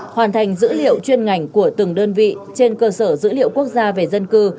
hoàn thành dữ liệu chuyên ngành của từng đơn vị trên cơ sở dữ liệu quốc gia về dân cư